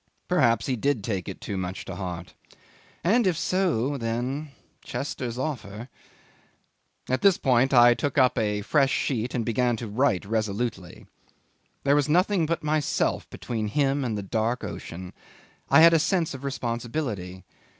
Perhaps he did take it too much to heart. And if so then Chester's offer. ... At this point I took up a fresh sheet and began to write resolutely. There was nothing but myself between him and the dark ocean. I had a sense of responsibility.